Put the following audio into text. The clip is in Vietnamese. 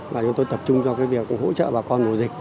và chúng tôi tập trung vào việc hỗ trợ bà con mùa dịch